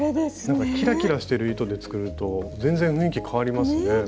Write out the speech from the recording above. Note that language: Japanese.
キラキラしてる糸で作ると全然雰囲気変わりますね。